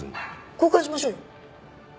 交換しましょうよ。